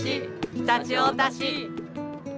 常陸太田市。